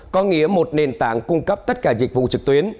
có nghĩa một nền tảng cung cấp tất cả dịch vụ trực tuyến